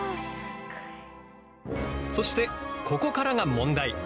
そしてここからが問題。